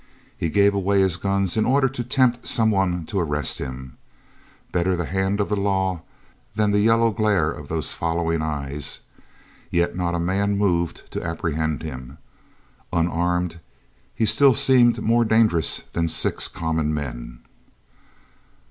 He gave away his guns in order to tempt someone to arrest him. Better the hand of the law than the yellow glare of those following eyes. Yet not a man moved to apprehend him. Unarmed he still seemed more dangerous than six common men.